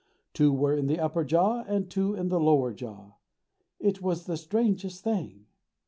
Two were in the upper jaw and two in the lower jaw. It was the strangest thing!